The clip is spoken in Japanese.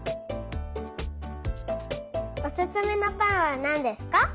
おすすめのぱんはなんですか？